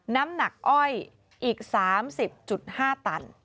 น้ำหนักอ้อยอีก๓๐๕ตัน